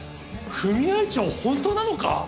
組合長本当なのか！？